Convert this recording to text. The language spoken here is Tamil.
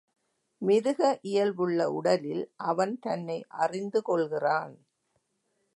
மிருக இயல்புள்ள உடலில் அவன் தன்னை அறிந்து கொள்கிறான்.